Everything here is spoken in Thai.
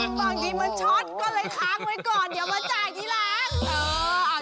บางทีมันช็อตก็เลยค้างไว้ก่อนอย่ามาจ่ายที่หลัง